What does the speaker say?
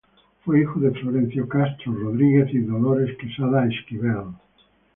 Fue hijo de Florencio Castro Rodríguez y Dolores Quesada Esquivel.